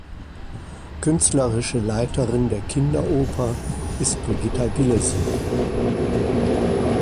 Künstlerische Leiterin der Kinderoper ist Brigitta Gillessen.